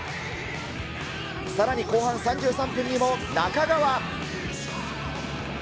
さらに後半３３分にも仲川。